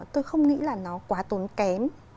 tôi không nghĩ là nó quá tốn kém